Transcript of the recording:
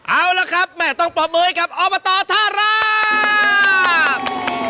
เอาละครับแหมต้องประมือไปกับบ่าต่อท่าราภ